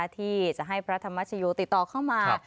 ที่จะให้พระธรรมชโยติดต่อเข้ามา